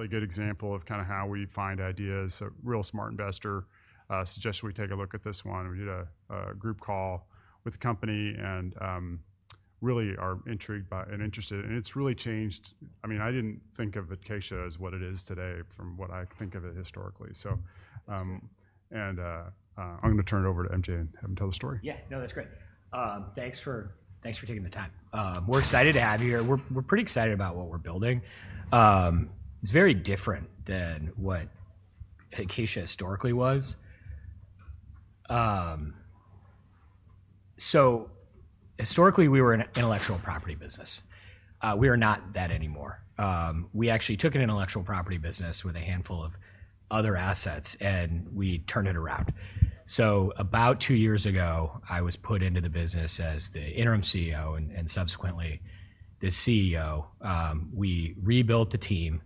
Really good example of kind of how we find ideas. A real smart investor suggested we take a look at this one. We did a group call with the company and really are intrigued and interested. It's really changed. I mean, I didn't think of Acacia as what it is today from what I think of it historically. I'm going to turn it over to MJ and have him tell the story. Yeah, no, that's great. Thanks for taking the time. We're excited to have you here. We're pretty excited about what we're building. It's very different than what Acacia historically was. Historically, we were an intellectual property business. We are not that anymore. We actually took an intellectual property business with a handful of other assets and we turned it around. About two years ago, I was put into the business as the interim CEO and subsequently the CEO. We rebuilt the team.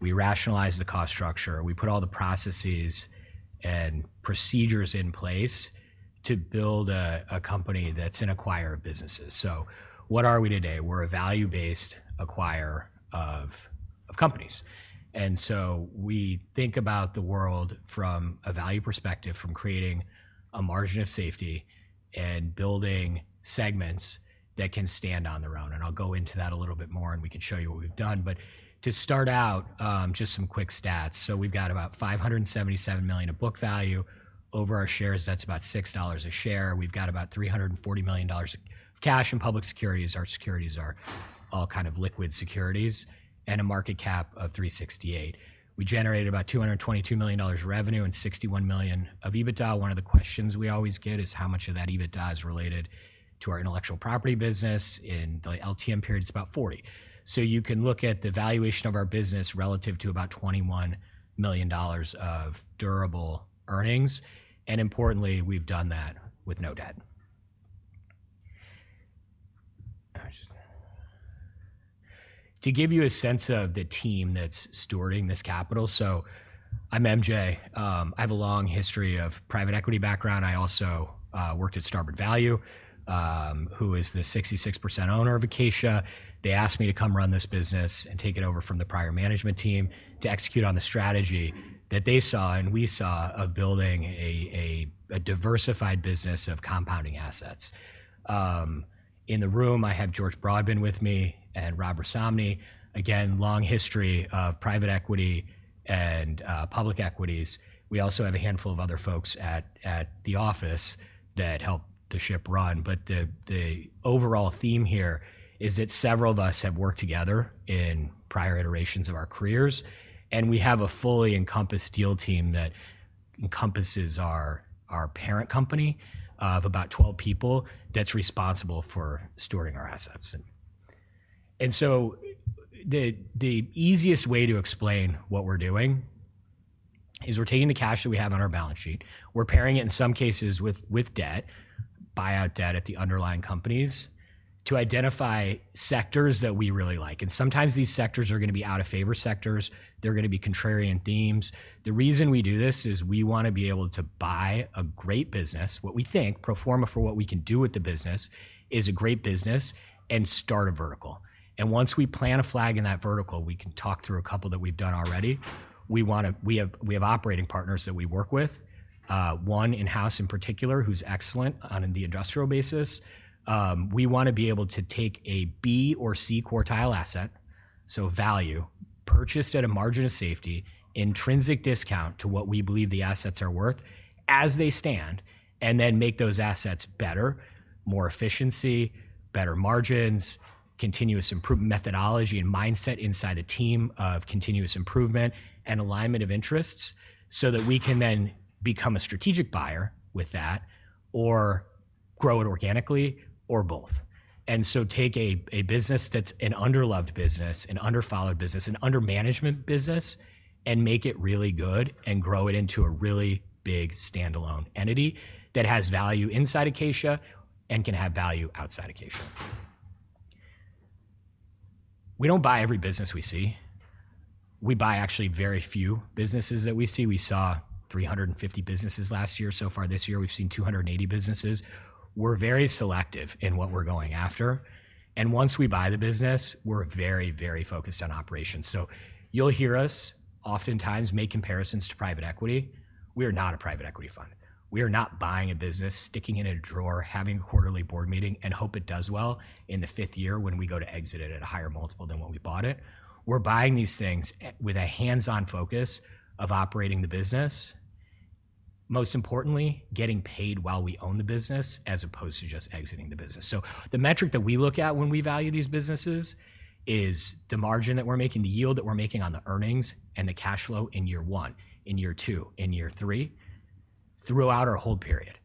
We rationalized the cost structure. We put all the processes and procedures in place to build a company that's an acquirer of businesses. What are we today? We're a value-based acquirer of companies. We think about the world from a value perspective, from creating a margin of safety and building segments that can stand on their own. I'll go into that a little bit more and we can show you what we've done. To start out, just some quick stats. We've got about $577 million of book value. Over our shares, that's about $6 a share. We've got about $340 million of cash and public securities. Our securities are all kind of liquid securities and a market cap of $368 million. We generated about $222 million revenue and $61 million of EBITDA. One of the questions we always get is how much of that EBITDA is related to our intellectual property business. In the LTM period, it's about $40 million. You can look at the valuation of our business relative to about $21 million of durable earnings. Importantly, we've done that with no debt. To give you a sense of the team that's stewarding this capital, I'm MJ. I have a long history of private equity background. I also worked at Starboard Value, who is the 66% owner of Acacia. They asked me to come run this business and take it over from the prior management team to execute on the strategy that they saw and we saw of building a diversified business of compounding assets. In the room, I have George Broadbent with me and Rob Rasamny. Again, long history of private equity and public equities. We also have a handful of other folks at the office that help the ship run. The overall theme here is that several of us have worked together in prior iterations of our careers. We have a fully encompassed deal team that encompasses our parent company of about 12 people that's responsible for stewarding our assets. The easiest way to explain what we're doing is we're taking the cash that we have on our balance sheet. We're pairing it in some cases with debt, buyout debt at the underlying companies to identify sectors that we really like. Sometimes these sectors are going to be out-of-favor sectors. They're going to be contrarian themes. The reason we do this is we want to be able to buy a great business. What we think, proforma for what we can do with the business, is a great business and start a vertical. Once we plant a flag in that vertical, we can talk through a couple that we've done already. We have operating partners that we work with, one in-house in particular who's excellent on the industrial basis. We want to be able to take a B or C quartile asset, so value, purchase at a margin of safety, intrinsic discount to what we believe the assets are worth as they stand, and then make those assets better, more efficiency, better margins, continuous improvement methodology and mindset inside a team of continuous improvement and alignment of interests so that we can then become a strategic buyer with that or grow it organically or both. Take a business that's an under-loved business, an under-followed business, an under-management business, and make it really good and grow it into a really big standalone entity that has value inside Acacia and can have value outside Acacia. We do not buy every business we see. We buy actually very few businesses that we see. We saw 350 businesses last year. So far this year, we've seen 280 businesses. We're very selective in what we're going after. Once we buy the business, we're very, very focused on operations. You'll hear us oftentimes make comparisons to private equity. We are not a private equity fund. We are not buying a business, sticking it in a drawer, having a quarterly board meeting, and hope it does well in the fifth year when we go to exit it at a higher multiple than when we bought it. We're buying these things with a hands-on focus of operating the business, most importantly, getting paid while we own the business as opposed to just exiting the business. The metric that we look at when we value these businesses is the margin that we're making, the yield that we're making on the earnings, and the cash flow in year one, in year two, in year three throughout our hold period,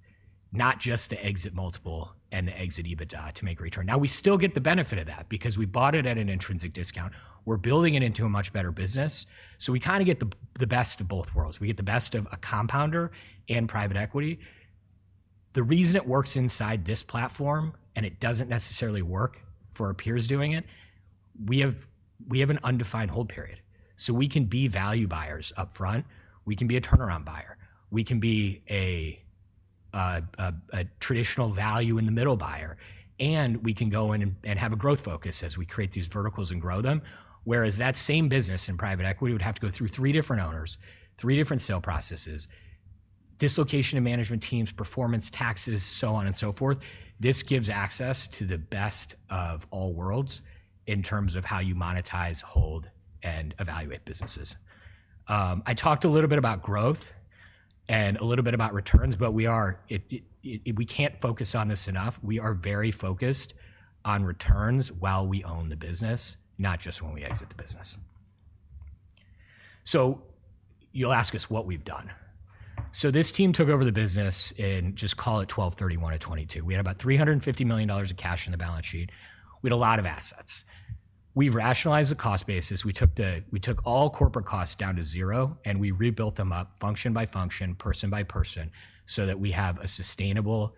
not just the exit multiple and the exit EBITDA to make a return. Now, we still get the benefit of that because we bought it at an intrinsic discount. We're building it into a much better business. We kind of get the best of both worlds. We get the best of a compounder and private equity. The reason it works inside this platform and it doesn't necessarily work for our peers doing it, we have an undefined hold period. We can be value buyers upfront. We can be a turnaround buyer. We can be a traditional value-in-the-middle buyer. We can go in and have a growth focus as we create these verticals and grow them. Whereas that same business in private equity would have to go through three different owners, three different sale processes, dislocation of management teams, performance, taxes, so on and so forth. This gives access to the best of all worlds in terms of how you monetize, hold, and evaluate businesses. I talked a little bit about growth and a little bit about returns, but we can't focus on this enough. We are very focused on returns while we own the business, not just when we exit the business. You'll ask us what we've done. This team took over the business in, just call it 12/31 of 2022. We had about $350 million of cash on the balance sheet. We had a lot of assets. We rationalized the cost basis. We took all corporate costs down to zero, and we rebuilt them up function by function, person by person, so that we have a sustainable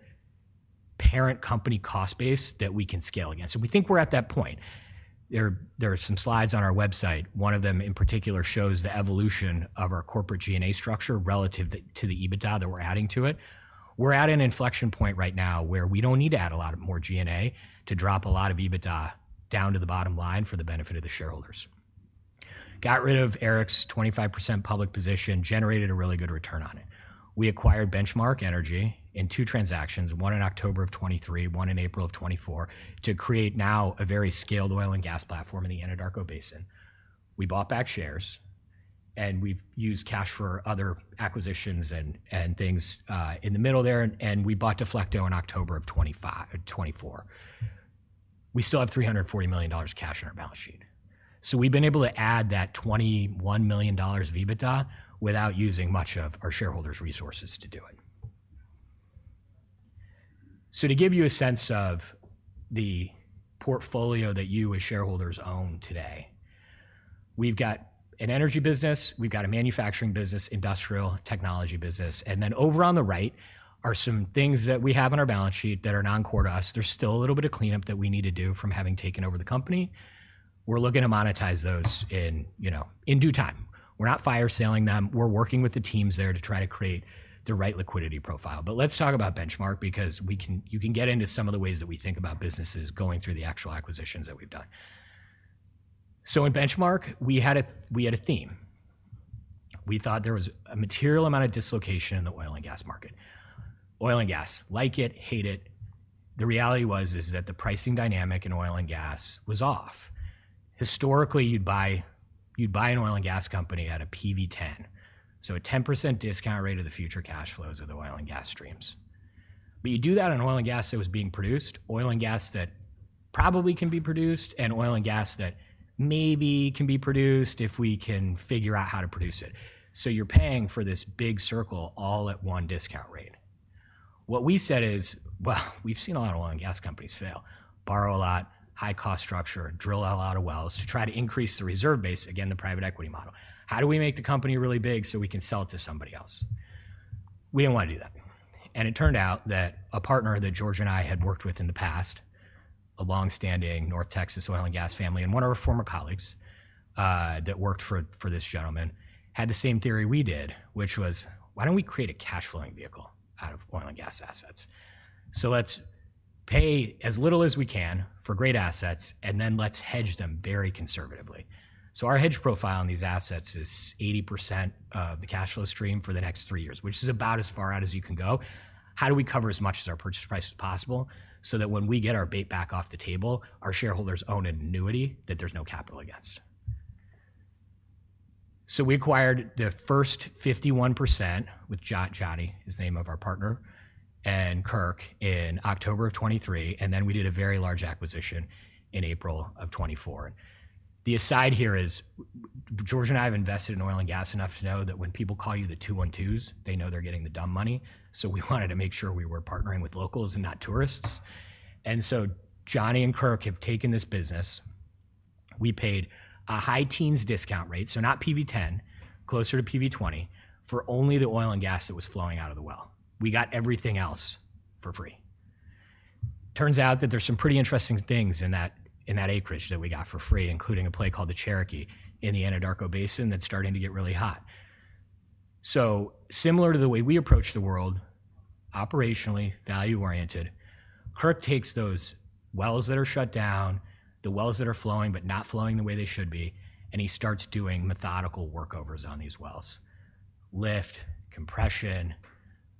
parent company cost base that we can scale against. We think we're at that point. There are some slides on our website. One of them in particular shows the evolution of our corporate G&A structure relative to the EBITDA that we're adding to it. We're at an inflection point right now where we don't need to add a lot more G&A to drop a lot of EBITDA down to the bottom line for the benefit of the shareholders. Got rid of Eric's 25% public position, generated a really good return on it. We acquired Benchmark Energy in two transactions, one in October of 2023, one in April of 2024, to create now a very scaled oil and gas platform in the Anadarko Basin. We bought back shares, and we've used cash for other acquisitions and things in the middle there. We bought Deflecto in October of 2024. We still have $340 million cash on our balance sheet. We've been able to add that $21 million of EBITDA without using much of our shareholders' resources to do it. To give you a sense of the portfolio that you as shareholders own today, we've got an energy business, we've got a manufacturing business, industrial technology business. Over on the right are some things that we have on our balance sheet that are non-core to us. There's still a little bit of cleanup that we need to do from having taken over the company. We're looking to monetize those in due time. We're not fire-saling them. We're working with the teams there to try to create the right liquidity profile. Let's talk about Benchmark because you can get into some of the ways that we think about businesses going through the actual acquisitions that we've done. In Benchmark, we had a theme. We thought there was a material amount of dislocation in the oil and gas market. Oil and gas, like it, hate it. The reality was that the pricing dynamic in oil and gas was off. Historically, you'd buy an oil and gas company at a PV10, so a 10% discount rate of the future cash flows of the oil and gas streams. You do that on oil and gas that was being produced, oil and gas that probably can be produced, and oil and gas that maybe can be produced if we can figure out how to produce it. You're paying for this big circle all at one discount rate. What we said is, we have seen a lot of oil and gas companies fail, borrow a lot, high cost structure, drill a lot of wells to try to increase the reserve base, again, the private equity model. How do we make the company really big so we can sell it to somebody else? We did not want to do that. It turned out that a partner that George and I had worked with in the past, a longstanding North Texas Oil & Gas family, and one of our former colleagues that worked for this gentleman, had the same theory we did, which was, why do we not create a cash flowing vehicle out of oil and gas assets? Let us pay as little as we can for great assets and then let us hedge them very conservatively. Our hedge profile on these assets is 80% of the cash flow stream for the next three years, which is about as far out as you can go. How do we cover as much of our purchase price as possible so that when we get our bait back off the table, our shareholders own an annuity that there is no capital against? We acquired the first 51% with Johnny, who is the name of our partner, and Kirk in October of 2023. We did a very large acquisition in April of 2024. The aside here is George and I have invested in oil and gas enough to know that when people call you the 212s, they know they are getting the dumb money. We wanted to make sure we were partnering with locals and not tourists. Johnny and Kirk have taken this business. We paid a high teens discount rate, so not PV10, closer to PV20 for only the oil and gas that was flowing out of the well. We got everything else for free. Turns out that there's some pretty interesting things in that acreage that we got for free, including a play called the Cherokee in the Anadarko Basin that's starting to get really hot. Similar to the way we approach the world, operationally, value-oriented, Kirk takes those wells that are shut down, the wells that are flowing but not flowing the way they should be, and he starts doing methodical workovers on these wells, lift, compression,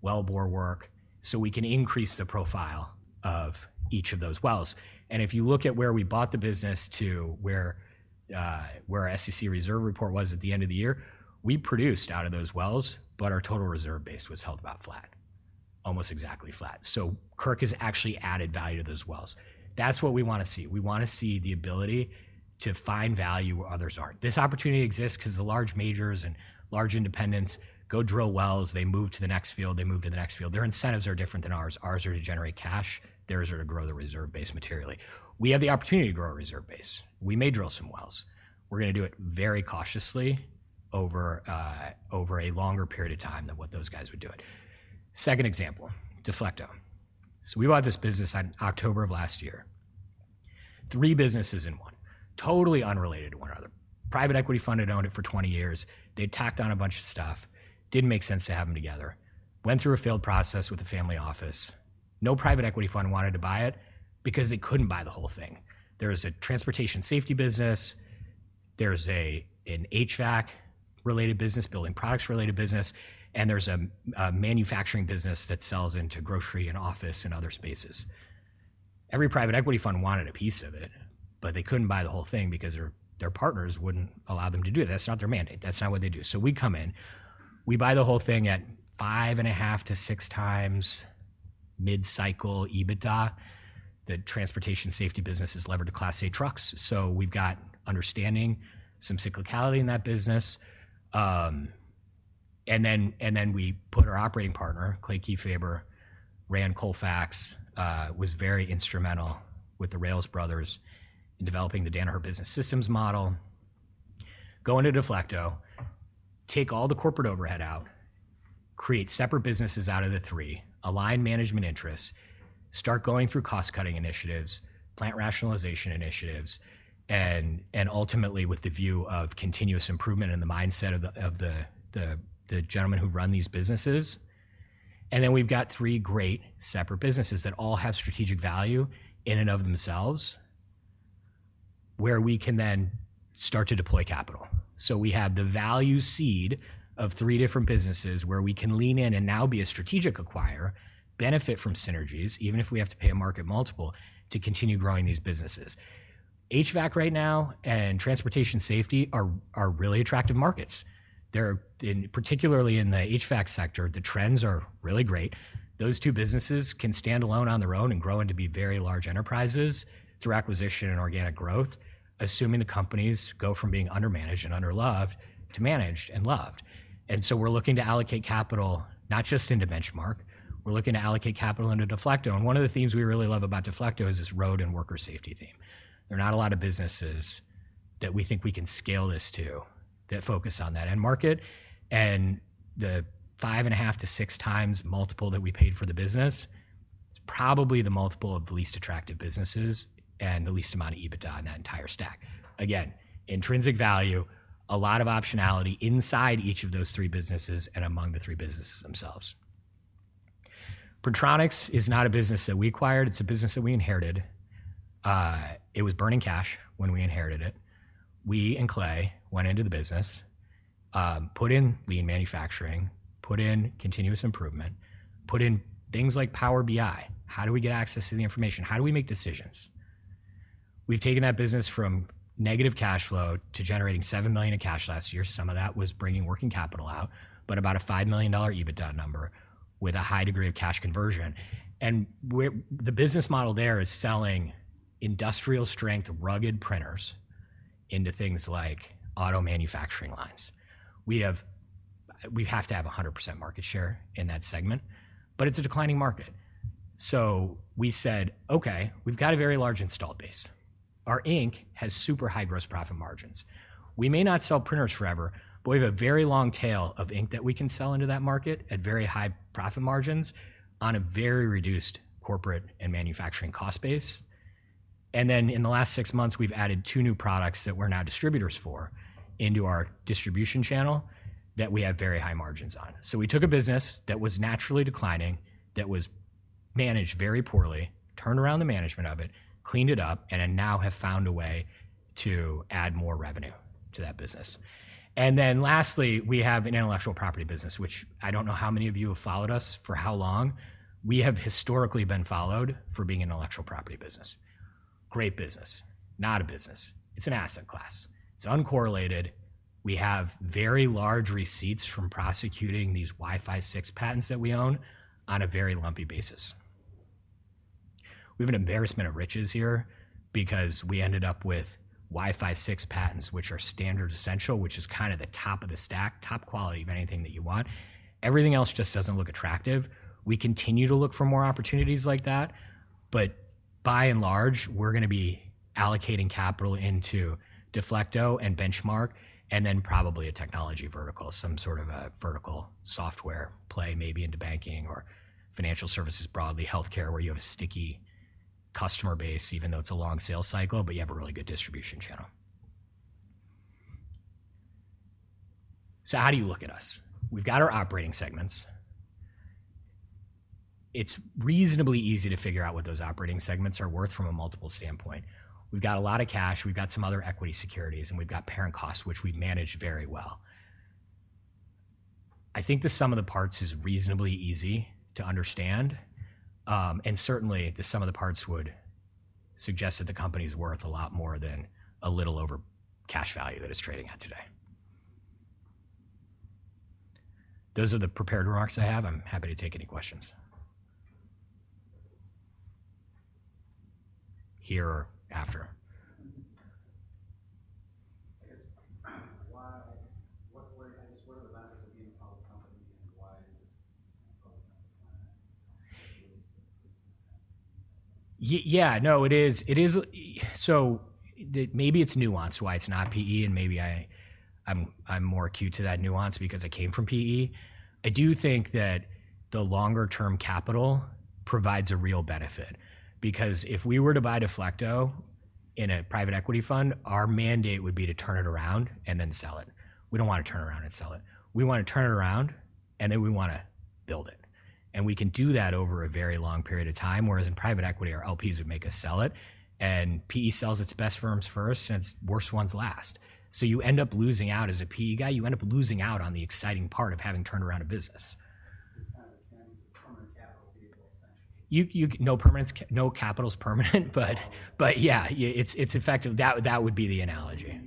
well bore work, so we can increase the profile of each of those wells. If you look at where we bought the business to where our SEC reserve report was at the end of the year, we produced out of those wells, but our total reserve base was held about flat, almost exactly flat. Kirk has actually added value to those wells. That is what we want to see. We want to see the ability to find value where others are not. This opportunity exists because the large majors and large independents go drill wells. They move to the next field. They move to the next field. Their incentives are different than ours. Ours are to generate cash. Theirs are to grow the reserve base materially. We have the opportunity to grow a reserve base. We may drill some wells. We are going to do it very cautiously over a longer period of time than what those guys would do it. Second example, Deflecto. We bought this business in October of last year. Three businesses in one, totally unrelated to one another. Private equity fund had owned it for 20 years. They'd tacked on a bunch of stuff. Didn't make sense to have them together. Went through a failed process with the family office. No private equity fund wanted to buy it because they couldn't buy the whole thing. There is a transportation safety business. There's an HVAC-related business, building products-related business. And there's a manufacturing business that sells into grocery and office and other spaces. Every private equity fund wanted a piece of it, but they couldn't buy the whole thing because their partners wouldn't allow them to do it. That's not their mandate. That's not what they do. We come in. We buy the whole thing at five and a half to six times mid-cycle EBITDA. The transportation safety business is levered to Class A trucks. We have got understanding, some cyclicality in that business. We put our operating partner, Clay Kiefaber, Rand Colfax was very instrumental with the Rales Brothers in developing the Danaher Business System model. Go into Deflecto, take all the corporate overhead out, create separate businesses out of the three, align management interests, start going through cost-cutting initiatives, plant rationalization initiatives, ultimately with the view of continuous improvement in the mindset of the gentlemen who run these businesses. We have got three great separate businesses that all have strategic value in and of themselves where we can then start to deploy capital. We have the value seed of three different businesses where we can lean in and now be a strategic acquirer, benefit from synergies, even if we have to pay a market multiple to continue growing these businesses. HVAC right now and transportation safety are really attractive markets. Particularly in the HVAC sector, the trends are really great. Those two businesses can stand alone on their own and grow into be very large enterprises through acquisition and organic growth, assuming the companies go from being under-managed and under-loved to managed and loved. We are looking to allocate capital not just into Benchmark. We are looking to allocate capital into Deflecto. One of the things we really love about Deflecto is this road and worker safety theme. There are not a lot of businesses that we think we can scale this to that focus on that. Market and the five and a half to six times multiple that we paid for the business is probably the multiple of the least attractive businesses and the least amount of EBITDA in that entire stack. Again, intrinsic value, a lot of optionality inside each of those three businesses and among the three businesses themselves. Protronix is not a business that we acquired. It is a business that we inherited. It was burning cash when we inherited it. We and Clay went into the business, put in lean manufacturing, put in continuous improvement, put in things like Power BI. How do we get access to the information? How do we make decisions? We have taken that business from negative cash flow to generating $7 million in cash last year. Some of that was bringing working capital out, but about a $5 million EBITDA number with a high degree of cash conversion. The business model there is selling industrial-strength rugged printers into things like auto manufacturing lines. We have 100% market share in that segment, but it's a declining market. We said, "Okay, we've got a very large installed base. Our ink has super high gross profit margins. We may not sell printers forever, but we have a very long tail of ink that we can sell into that market at very high profit margins on a very reduced corporate and manufacturing cost base." In the last six months, we've added two new products that we're now distributors for into our distribution channel that we have very high margins on. We took a business that was naturally declining, that was managed very poorly, turned around the management of it, cleaned it up, and now have found a way to add more revenue to that business. Lastly, we have an intellectual property business, which I do not know how many of you have followed us for how long. We have historically been followed for being an intellectual property business. Great business. Not a business. It is an asset class. It is uncorrelated. We have very large receipts from prosecuting these Wi-Fi 6 patents that we own on a very lumpy basis. We have an embarrassment of riches here because we ended up with Wi-Fi 6 patents, which are standard essential, which is kind of the top of the stack, top quality of anything that you want. Everything else just does not look attractive. We continue to look for more opportunities like that, but by and large, we're going to be allocating capital into Deflecto and Benchmark, and then probably a technology vertical, some sort of a vertical software play maybe into banking or financial services broadly, healthcare where you have a sticky customer base, even though it's a long sales cycle, but you have a really good distribution channel. How do you look at us? We've got our operating segments. It's reasonably easy to figure out what those operating segments are worth from a multiple standpoint. We've got a lot of cash. We've got some other equity securities, and we've got parent costs, which we've managed very well. I think the sum of the parts is reasonably easy to understand. Certainly, the sum of the parts would suggest that the company is worth a lot more than a little over cash value that it is trading at today. Those are the prepared remarks I have. I am happy to take any questions here after. Yeah, no, it is. Maybe it is nuanced why it is not PE, and maybe I am more acute to that nuance because I came from PE. I do think that the longer-term capital provides a real benefit because if we were to buy Deflecto in a private equity fund, our mandate would be to turn it around and then sell it. We do not want to turn around and sell it. We want to turn it around, and then we want to build it. We can do that over a very long period of time, whereas in private equity, our LPs would make us sell it. PE sells its best firms first, and its worst ones last. You end up losing out as a PE guy. You end up losing out on the exciting part of having turned around a business. No capital is permanent, but yeah, that would be the analogy.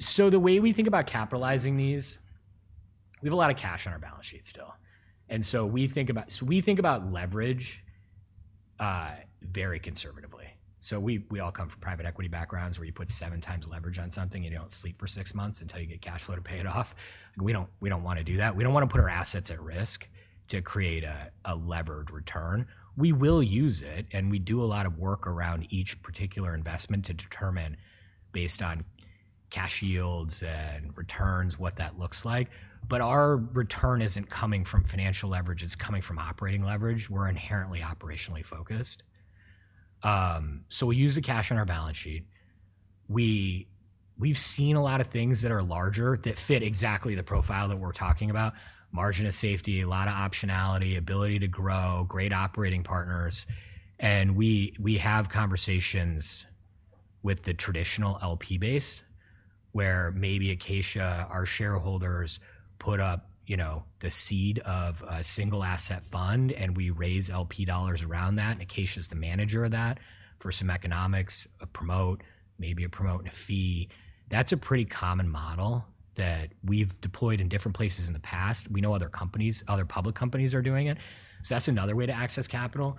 Capital would not be checking equity markets or some of these debts too. The way we think about capitalizing these, we have a lot of cash on our balance sheet still. We think about leverage very conservatively. We all come from private equity backgrounds where you put seven times leverage on something, and you do not sleep for six months until you get cash flow to pay it off. We do not want to do that. We do not want to put our assets at risk to create a levered return. We will use it, and we do a lot of work around each particular investment to determine based on cash yields and returns what that looks like. Our return is not coming from financial leverage. It is coming from operating leverage. We are inherently operationally focused. We use the cash on our balance sheet. We have seen a lot of things that are larger that fit exactly the profile that we are talking about: margin of safety, a lot of optionality, ability to grow, great operating partners. We have conversations with the traditional LP base where maybe Acacia, our shareholders, put up the seed of a single asset fund, and we raise LP dollars around that. Acacia is the manager of that for some economics, a promote, maybe a promote and a fee. That is a pretty common model that we have deployed in different places in the past. We know other companies, other public companies are doing it. That is another way to access capital.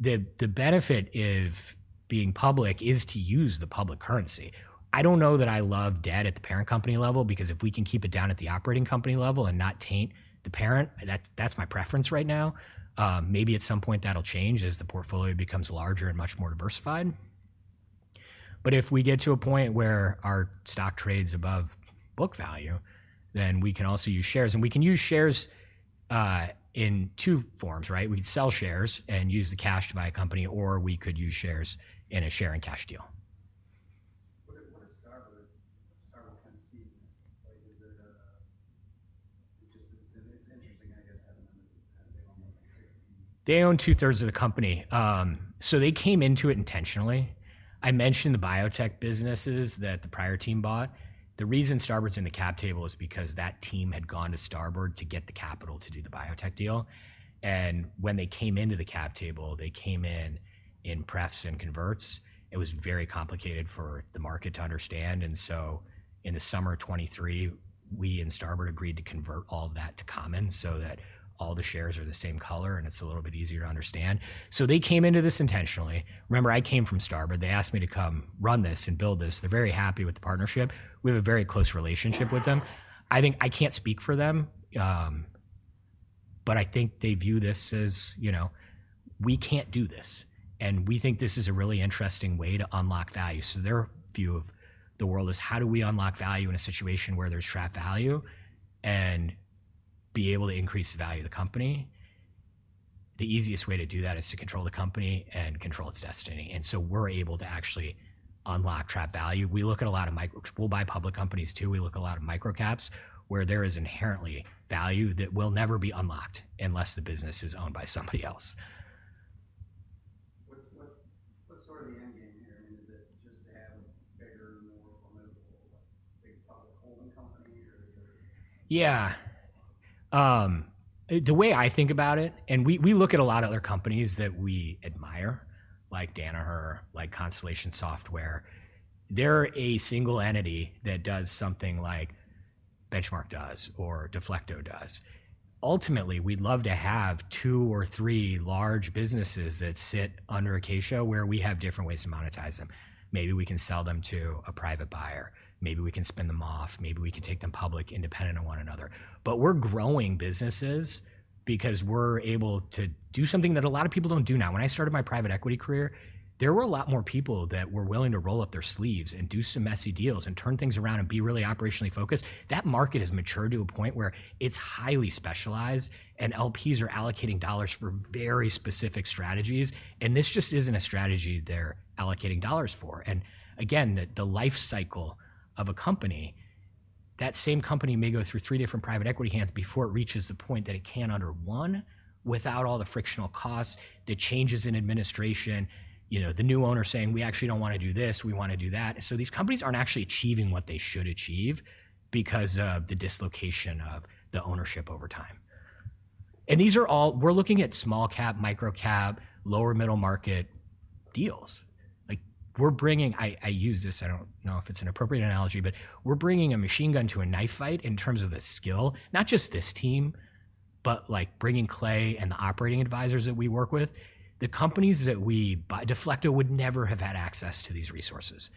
The benefit of being public is to use the public currency. I do not know that I love debt at the parent company level because if we can keep it down at the operating company level and not taint the parent, that is my preference right now. Maybe at some point that will change as the portfolio becomes larger and much more diversified. If we get to a point where our stock trades above book value, then we can also use shares. We can use shares in two forms, right? We can sell shares and use the cash to buy a company, or we could use shares in a share and cash deal. What does Starboard kind of see in this? Just it's interesting, I guess, having them as a kind of big almost like six-piece. They own two-thirds of the company. They came into it intentionally. I mentioned the biotech businesses that the prior team bought. The reason Starboard's in the cap table is because that team had gone to Starboard to get the capital to do the biotech deal. When they came into the cap table, they came in in prefs and converts. It was very complicated for the market to understand. In the summer of 2023, we and Starboard agreed to convert all of that to common so that all the shares are the same color and it's a little bit easier to understand. They came into this intentionally. Remember, I came from Starboard. They asked me to come run this and build this. They're very happy with the partnership. We have a very close relationship with them. I think I can't speak for them, but I think they view this as we can't do this. We think this is a really interesting way to unlock value. Their view of the world is how do we unlock value in a situation where there's trap value and be able to increase the value of the company? The easiest way to do that is to control the company and control its destiny. We are able to actually unlock trap value. We look at a lot of micro—we'll buy public companies too. We look at a lot of microcaps where there is inherently value that will never be unlocked unless the business is owned by somebody else. What's sort of the end game here? I mean, is it just to have a bigger, more formidable big public holding company, or is there? Yeah. The way I think about it, and we look at a lot of other companies that we admire, like Danaher, like Constellation Software. They're a single entity that does something like Benchmark does or Deflecto does. Ultimately, we'd love to have two or three large businesses that sit under Acacia where we have different ways to monetize them. Maybe we can sell them to a private buyer. Maybe we can spin them off. Maybe we can take them public independent of one another. We're growing businesses because we're able to do something that a lot of people don't do now. When I started my private equity career, there were a lot more people that were willing to roll up their sleeves and do some messy deals and turn things around and be really operationally focused. That market has matured to a point where it's highly specialized, and LPs are allocating dollars for very specific strategies. This just isn't a strategy they're allocating dollars for. Again, the life cycle of a company, that same company may go through three different private equity hands before it reaches the point that it can under one without all the frictional costs, the changes in administration, the new owner saying, "We actually don't want to do this. We want to do that." These companies aren't actually achieving what they should achieve because of the dislocation of the ownership over time. These are all—we're looking at small cap, microcap, lower middle market deals. I use this—I don't know if it's an appropriate analogy—but we're bringing a machine gun to a knife fight in terms of the skill, not just this team, but bringing Clay and the operating advisors that we work with. The companies that we buy—Deflecto would never have had access to these resources.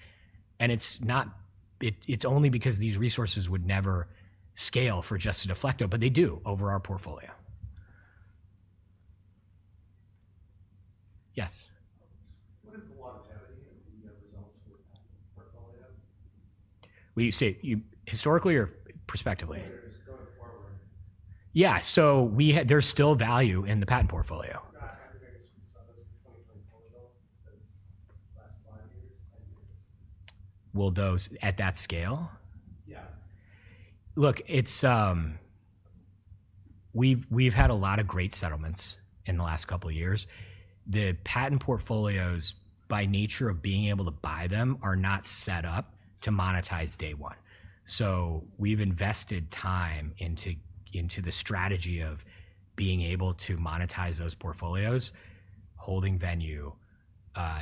It's only because these resources would never scale for just a Deflecto, but they do over our portfolio. Yes. What is the longevity of the results for the patent portfolio? Historically or perspectively? Yeah, so there's still value in the patent portfolio. I have the biggest results for 2024 results because last five years, ten years. Will those at that scale? Yeah. Look, we've had a lot of great settlements in the last couple of years. The patent portfolios, by nature of being able to buy them, are not set up to monetize day one. We have invested time into the strategy of being able to monetize those portfolios, holding venue,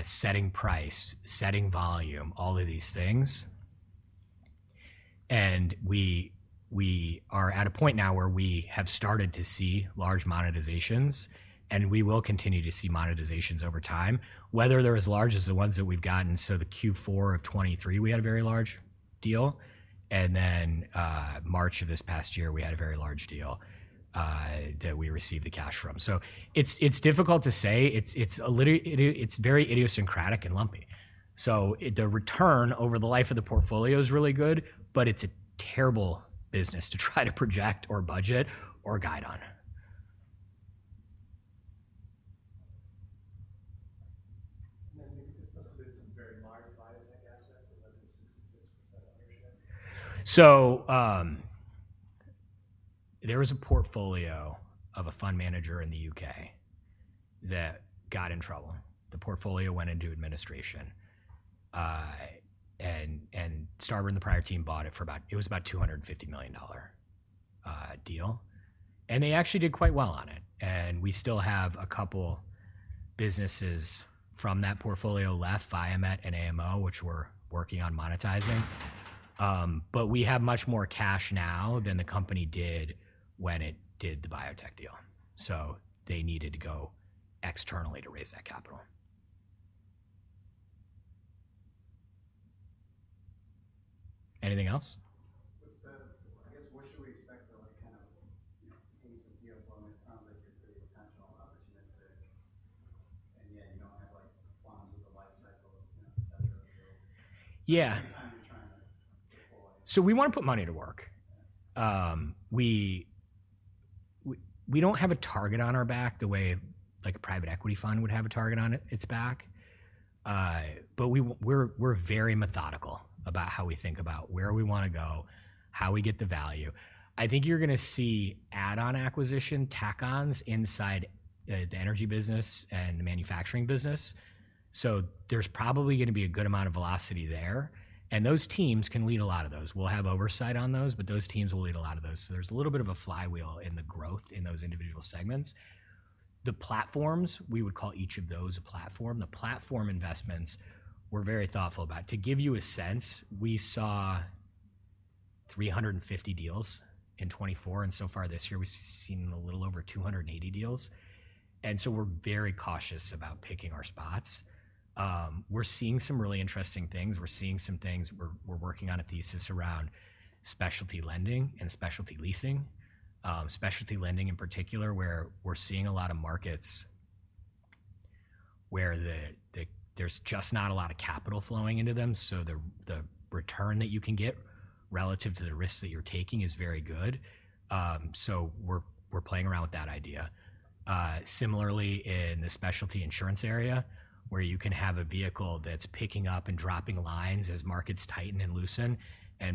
setting price, setting volume, all of these things. We are at a point now where we have started to see large monetizations, and we will continue to see monetizations over time, whether they are as large as the ones that we have gotten. The Q4 of 2023, we had a very large deal. In March of this past year, we had a very large deal that we received the cash from. It is difficult to say. It is very idiosyncratic and lumpy. The return over the life of the portfolio is really good, but it is a terrible business to try to project or budget or guide on. It is supposed to have been some very large biotech asset with under 66% ownership. There was a portfolio of a fund manager in the U.K. that got in trouble. The portfolio went into administration, and Starboard and the prior team bought it for about—it was about a $250 million deal. They actually did quite well on it. We still have a couple of businesses from that portfolio left, Viamet and AMO, which we are working on monetizing. We have much more cash now than the company did when it did the biotech deal. They needed to go externally to raise that capital. Anything else? I guess, what should we expect for kind of pace of deal flow? I mean, it sounds like you are pretty intentional about what you are missing. You do not have funds with a life cycle, etc. Every time you're trying to deploy. We want to put money to work. We do not have a target on our back the way a private equity fund would have a target on its back. We are very methodical about how we think about where we want to go, how we get the value. I think you're going to see add-on acquisition, tacons inside the energy business and the manufacturing business. There is probably going to be a good amount of velocity there. Those teams can lead a lot of those. We will have oversight on those, but those teams will lead a lot of those. There is a little bit of a flywheel in the growth in those individual segments. The platforms, we would call each of those a platform. The platform investments, we are very thoughtful about. To give you a sense, we saw 350 deals in 2024. So far this year, we've seen a little over 280 deals. We are very cautious about picking our spots. We're seeing some really interesting things. We're seeing some things. We're working on a thesis around specialty lending and specialty leasing. Specialty lending in particular, where we're seeing a lot of markets where there's just not a lot of capital flowing into them. The return that you can get relative to the risks that you're taking is very good. We're playing around with that idea. Similarly, in the specialty insurance area, where you can have a vehicle that's picking up and dropping lines as markets tighten and loosen.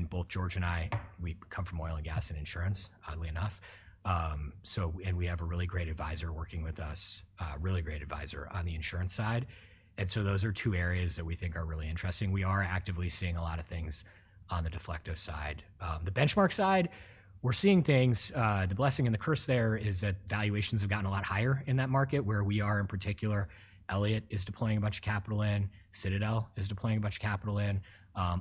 Both George and I, we come from oil and gas and insurance, oddly enough. We have a really great advisor working with us, a really great advisor on the insurance side. Those are two areas that we think are really interesting. We are actively seeing a lot of things on the Deflecto side. The Benchmark side, we're seeing things. The blessing and the curse there is that valuations have gotten a lot higher in that market, where we are in particular. Elliott is deploying a bunch of capital in. Citadel is deploying a bunch of capital in.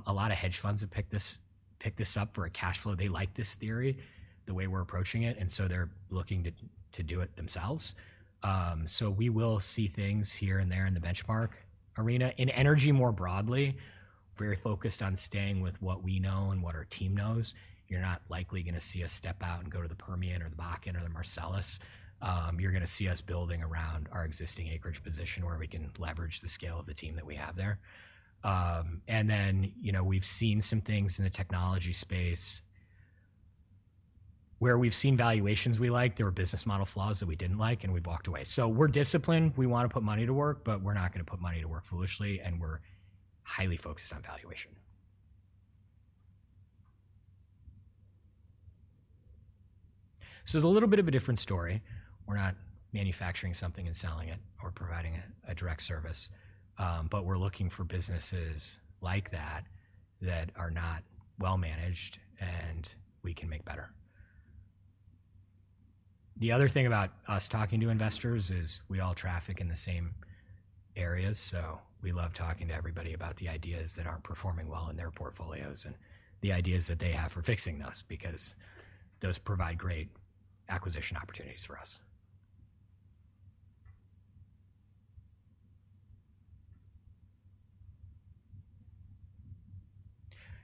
A lot of hedge funds have picked this up for a cash flow. They like this theory, the way we're approaching it. They are looking to do it themselves. We will see things here and there in the Benchmark arena. In energy more broadly, we're focused on staying with what we know and what our team knows. You're not likely going to see us step out and go to the Permian or the Bakken or the Marcellus. You're going to see us building around our existing acreage position where we can leverage the scale of the team that we have there. We have seen some things in the technology space where we've seen valuations we liked. There were business model flaws that we didn't like, and we walked away. We are disciplined. We want to put money to work, but we're not going to put money to work foolishly. We are highly focused on valuation. It is a little bit of a different story. We are not manufacturing something and selling it or providing a direct service. We are looking for businesses like that that are not well-managed and we can make better. The other thing about us talking to investors is we all traffic in the same areas. We love talking to everybody about the ideas that aren't performing well in their portfolios and the ideas that they have for fixing those because those provide great acquisition opportunities for us.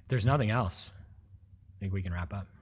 If there's nothing else, I think we can wrap up.